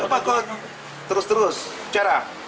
kenapa kok terus terus cara